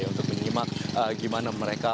untuk menyimak bagaimana mereka